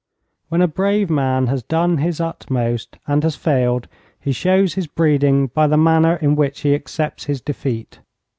When a brave man has done his utmost, and has failed, he shows his breeding by the manner in which he accepts his defeat.